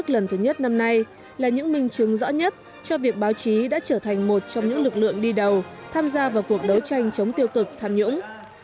lần thứ nhất năm nay là những minh chứng rõ nhất cho việc báo chí đã trở thành một trong những lực lượng đi đầu tham gia vào cuộc đấu tranh chống tiêu cực tham nhũng